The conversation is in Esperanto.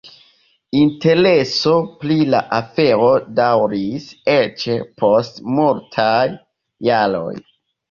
Intereso pri la afero daŭris eĉ post multaj jaroj.